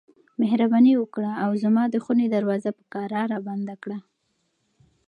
مهرباني وکړه او زما د خونې دروازه په کراره بنده کړه.